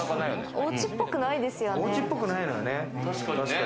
おうちっぽくないですよね。